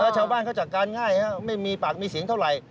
ชาวบ้านเขาจัดการง่ายไม่มีปากมีเสียงเท่าไหร่